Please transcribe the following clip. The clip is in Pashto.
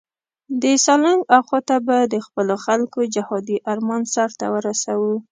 د سالنګ اخواته به د خپلو خلکو جهادي آرمان سرته ورسوو.